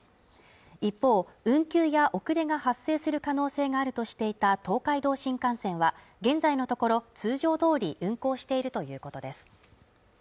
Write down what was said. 一方、運休や遅れが発生する可能性があるとしていた東海道新幹線は現在のところ通常通り運行しているということです。